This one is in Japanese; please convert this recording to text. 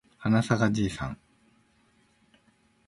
はなさかじいさん